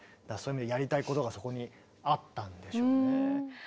そういう意味でやりたいことがそこにあったんでしょうね。